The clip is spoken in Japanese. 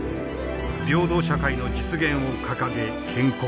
平等社会の実現を掲げ建国。